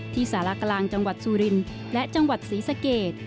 สารกลางจังหวัดสุรินและจังหวัดศรีสเกต